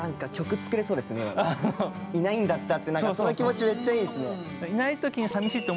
「いないんだった」ってその気持ちめっちゃいいですね。